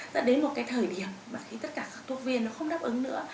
dẫn đến một cái thời điểm mà khi tất cả các thuốc viên nó không đáp ứng nữa